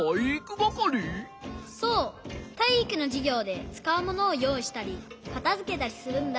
そうたいいくのじゅぎょうでつかうものをよういしたりかたづけたりするんだ。